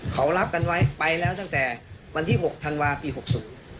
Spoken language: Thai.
เข้ารับกันปลายแล้วตั้งแต่ธวันที่๖ธานวาษณ์๖๐